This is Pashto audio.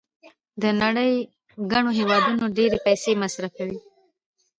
د نړۍ ګڼو هېوادونو ډېرې پیسې مصرفولې.